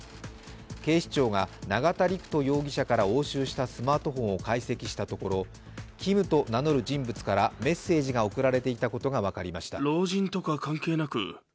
警視庁が永田陸人容疑者から押収したスマートフォンを解析したところキムと名乗る人物からメッセージが送られていたことが分かりました。